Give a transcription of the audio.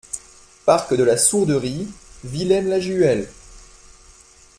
Parc de la Sourderie, Villaines-la-Juhel